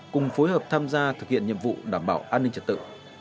cùng phối hợp tham gia thực hiện nhiệm vụ đảm bảo an ninh trật tự